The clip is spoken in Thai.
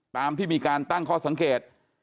ตามที่มีการตั้งข้อสังเกต